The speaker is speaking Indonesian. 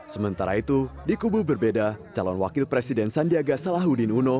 sementara itu di kubu berbeda calon wakil presiden sandiaga salahuddin uno